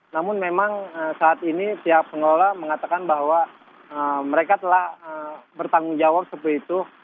namun memang saat ini pihak pengelola mengatakan bahwa mereka telah bertanggung jawab seperti itu